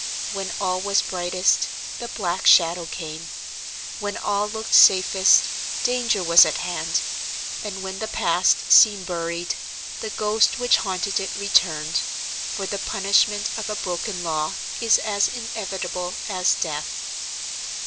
When all was brightest, the black shadow came; when all looked safest, danger was at hand; and when the past seemed buried, the ghost which haunted it returned, for the punishment of a broken law is as inevitable as death.